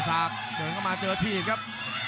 บรรดาศักดิ์เดินเข้ามาเจอทีนครับ